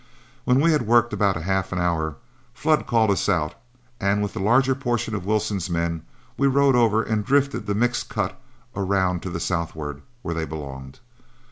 When we had worked about half an hour, Flood called us out, and with the larger portion of Wilson's men, we rode over and drifted the mixed cut around to the southward, where they belonged.